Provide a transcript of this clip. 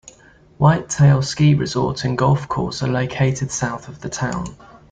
Whitetail Ski Resort and golf course are located south of the town.